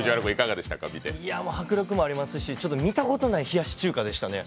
迫力もありますし、見たことのない冷やし中華でしたね。